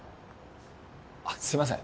あっすみません。